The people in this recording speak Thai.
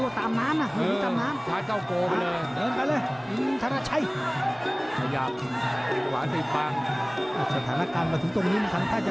ต้องระวังต้องระวังลูกโปกแพงนี่ไงโอ้โฮ้